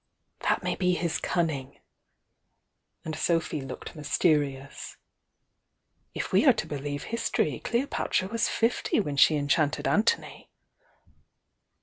"That may be his cunning!" and Sophy looked mysterious. "If we are to believe history, Cleo patra was fifty when she enchanted Anthony."